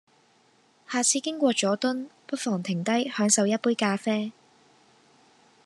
下次經過佐敦，不妨停低享受一杯咖啡